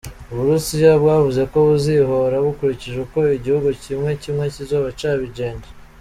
Uburusiya bwavuze ko buzihora bukurikije ukwo igihugu kimwe kimwe kizoba cabigenjeje.